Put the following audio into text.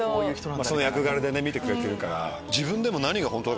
その役柄で見てくれてるから。